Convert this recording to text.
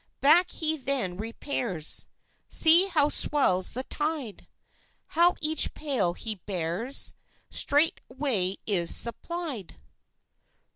Back he then repairs; See how swells the tide! How each pail he bears Straightway is supplied!